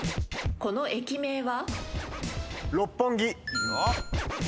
この駅名は？